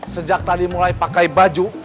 sejak tadi mulai pakai baju